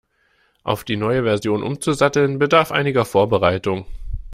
Auf die neue Version umzusatteln, bedarf einiger Vorbereitung.